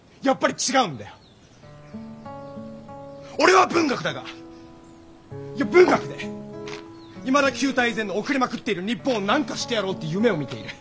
俺は文学だがいや文学でいまだ旧態依然の遅れまくっている日本を何かしてやろうって夢をみている。